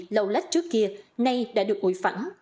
lâu lách trước kia nay đã được ủi phẳng